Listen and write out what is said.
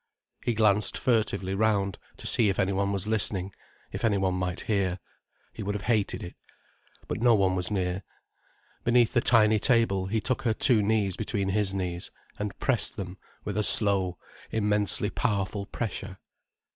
He glanced furtively round, to see if any one was listening, if any one might hear. He would have hated it. But no one was near. Beneath the tiny table, he took her two knees between his knees, and pressed them with a slow, immensely powerful pressure.